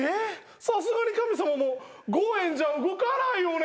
さすがに神様も５円じゃ動かないよね。